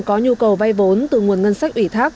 có nhu cầu vay vốn từ nguồn ngân sách ủy thác